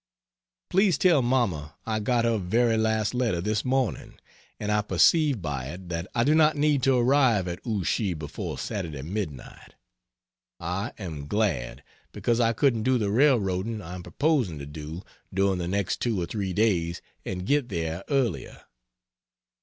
Please tell mamma I got her very last letter this morning, and I perceive by it that I do not need to arrive at Ouchy before Saturday midnight. I am glad, because I couldn't do the railroading I am proposing to do during the next two or three days and get there earlier.